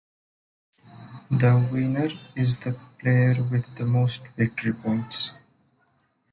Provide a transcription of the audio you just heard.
The winner is the player with the most victory points.